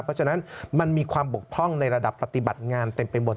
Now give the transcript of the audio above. เพราะฉะนั้นมันมีความบกพร่องในระดับปฏิบัติงานเต็มไปหมด